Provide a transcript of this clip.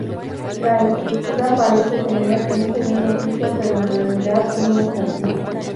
La estructura parece tener un segundo piso, pero en realidad no es así.